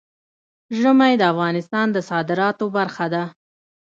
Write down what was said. ژمی د افغانستان د صادراتو برخه ده.